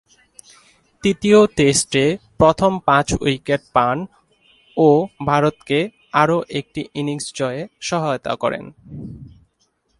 তৃতীয় টেস্টে প্রথম পাঁচ উইকেট পান ও ভারতকে আরও একটি ইনিংস জয়ে সহায়তা করেন।